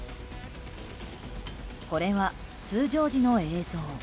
これは通常時の映像。